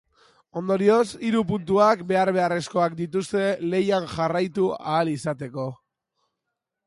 Ondorioz, hiru puntuak behar-beharrezkoak dituzte lehian jarraitu ahal izateko.